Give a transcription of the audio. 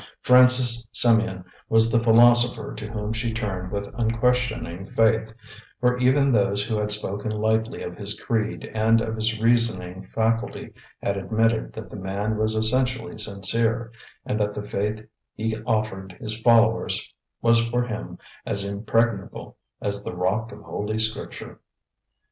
Francis Symeon was the philosopher to whom she turned with unquestioning faith; for even those who had spoken lightly of his creed and of his reasoning faculty had admitted that the man was essentially sincere, and that the faith he offered his followers was for him as impregnable as the rock of Holy Scripture.